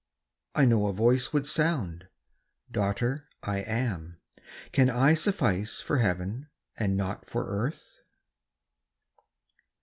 I know a Voice would sound, " Daughter, I AM. Can I suffice for Heaven, and not for earth